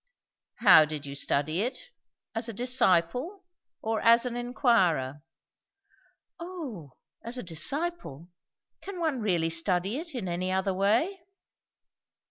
"How did you study it? as a disciple? or as an inquirer?" "O, as a disciple. Can one really study it in any other way?"